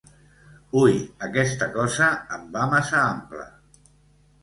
Ui, aquesta cosa em va massa ampla!